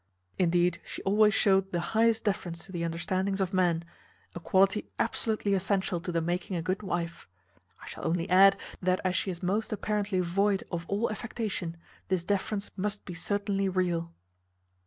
Indeed, she always shewed the highest deference to the understandings of men; a quality absolutely essential to the making a good wife. I shall only add, that as she is most apparently void of all affectation, this deference must be certainly real."